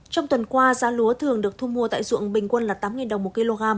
trong tuần qua giá lúa thường được thu mua tại ruộng bình quân là tám đồng một kg